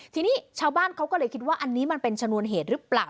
ทีนี้ชาวบ้านเขาก็เลยคิดว่าอันนี้มันเป็นชนวนเหตุหรือเปล่า